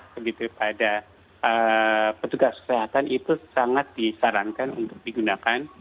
begitu pada petugas kesehatan itu sangat disarankan untuk digunakan